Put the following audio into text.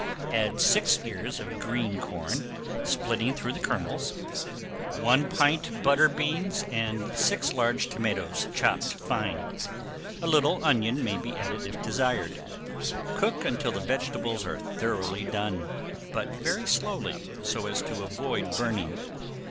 Add six ears of green corn, splitting through the kernels, one pint butter beans and six large tomatoes chopped fine. A little onion may be added if desired. Cook until the vegetables are thoroughly done, but very slowly, so as to avoid burning.